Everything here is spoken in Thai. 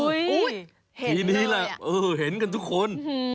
เห็นเลยอ่ะอือเห็นกันทุกคนอือเห็นกันทุกคน